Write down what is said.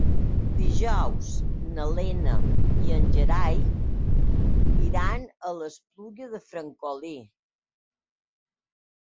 Dijous na Lena i en Gerai iran a l'Espluga de Francolí.